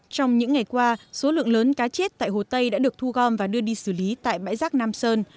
trong những ngày qua số lượng lớn cá chết tại hồ tây đã được thu gom và đưa đi xử lý tại bãi rác nam sơn